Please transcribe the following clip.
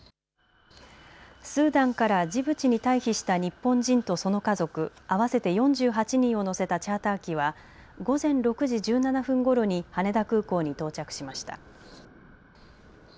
スーダンからジブチに退避した日本人とその家族合わせて４８人を乗せたチャーター機は午前６時１７分ごろに羽田空港に到着しました。